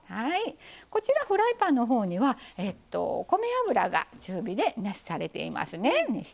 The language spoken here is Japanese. フライパンのほうには米油が中火で熱されていますよ。